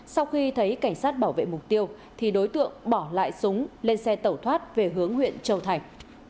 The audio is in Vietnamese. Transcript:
sau khi thấy cảnh sát bảo vệ mục tiêu thì đối tượng bỏ lại súng lên xe tẩu thoát về hướng huyện châu thành